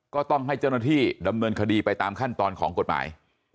ก็ต้องให้เจ้าหน้าที่ดำเนินคดีไปตามขั้นตอนของกฎหมาย